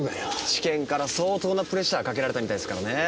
地検から相当なプレッシャーかけられたみたいですからね。